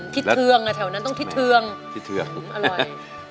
ที่เทืองอ่ะแถวนั้นต้องทิศเทืองที่เทืองอร่อย